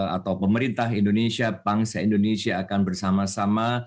atau pemerintah indonesia bangsa indonesia akan bersama sama